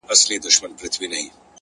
مهرباني بې ژبې پیغام رسوي!